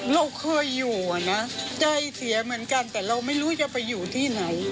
เราเคยอยู่อ่ะนะใจเสียเหมือนกันแต่เราไม่รู้จะไปอยู่ที่ไหน